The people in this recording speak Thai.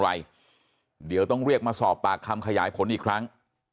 อะไรเดี๋ยวต้องเรียกมาสอบปากคำขยายผลอีกครั้ง